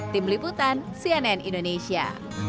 tim liputan cnn indonesia